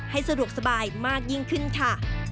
สะดวกสบายมากยิ่งขึ้นค่ะ